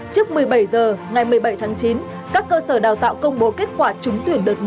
trước một mươi bảy h ngày một mươi bảy tháng chín các cơ sở đào tạo công bố kết quả trúng tuyển đợt một